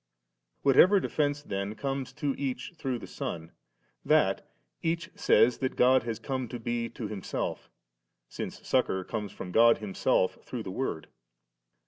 Whatever defence then comes to each through the Son, that each says that God has come to be to himself, since succour comes from God Himself through the Word.